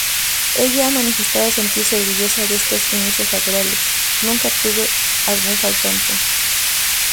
Ella ha manifestado sentirse orgullosa de estos inicios laborales, "nunca tuve algún faltante".